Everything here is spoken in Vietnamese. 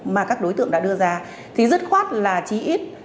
mà các đối tượng đã đưa ra thì rất khoát là chí ít